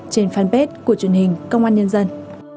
trên fanpage của truyền hình công an nhân dân